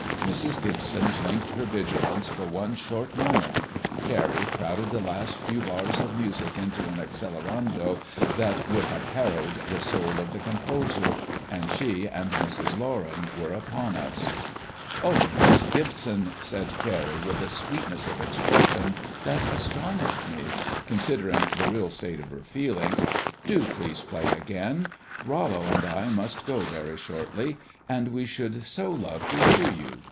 Mrs. Gibson blinked her vigilance for one short moment. Carrie crowded the last few bars of music into an accelerando that would have harrowed the soul of the composer, and she and Mrs. Loring were upon us. "Oh, Miss Gibson," said Carrie, with a sweetness of expression that astonished me, considering the real state of her feelings, "do please play again. Rollo and I must go very shortly, and we should so love to hear you.